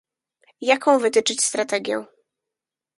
jaką wytyczyć strategię